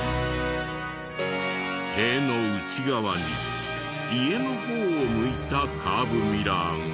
塀の内側に家の方を向いたカーブミラーが。